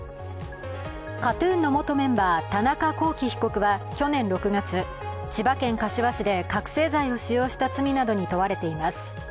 ＫＡＴ−ＴＵＮの元メンバー田中聖被告は去年６月、千葉県柏市で覚醒剤を使用した罪などに問われています。